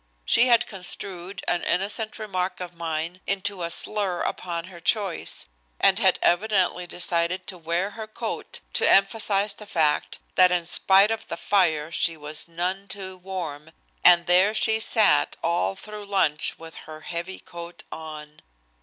She had construed an innocent remark of mine into a slur upon her choice, and had evidently decided to wear her coat to emphasize the fact that in spite of the fire she was none too warm, and there she had sat all through lunch with her heavy coat on.